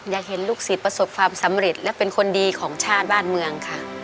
อยากเห็นลูกศิษย์ประสบความสำเร็จและเป็นคนดีของชาติบ้านเมืองค่ะ